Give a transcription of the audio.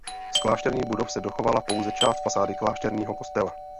Z klášterních budov se dochovala pouze část fasády klášterního kostela.